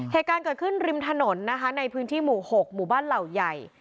เหตุการณ์เกิดขึ้นริมถนนนะคะในพื้นที่หมู่๖หมู่บ้านเหล่าใหญ่